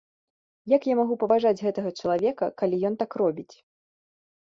Як я магу паважаць гэтага чалавека, калі ён так робіць?